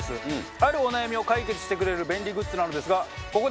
あるお悩みを解決してくれる便利グッズなのですが。